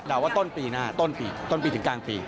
ว่าต้นปีหน้าต้นปีต้นปีถึงกลางปี